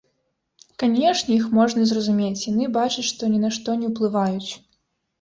Канечне, іх можна зразумець, яны бачаць, што ні на што не ўплываюць.